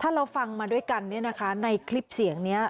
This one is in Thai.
ถ้าเราฟังมาด้วยกันในคลิปเสียงนี้